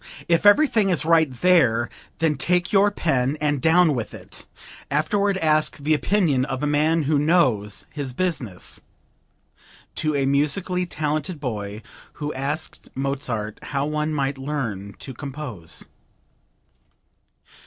If everything is right there, then take your pen and down with it; afterward ask the opinion of a man who knows his business." (To a musically talented boy who asked Mozart how one might learn to compose.)